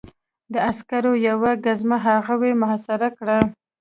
د عسکرو یوې ګزمې هغوی محاصره کړل